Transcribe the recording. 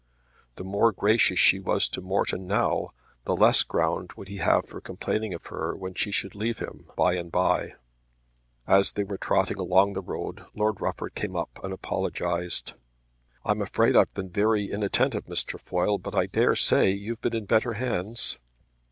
The more gracious she was to Morton now the less ground would he have for complaining of her when she should leave him by and by. As they were trotting along the road Lord Rufford came up and apologized. "I'm afraid I've been very inattentive, Miss Trefoil; but I dare say you've been in better hands."